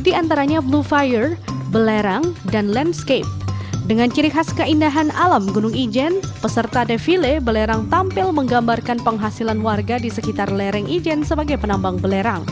di gunung ijen peserta defile belerang tampil menggambarkan penghasilan warga di sekitar lereng ijen sebagai penambang belerang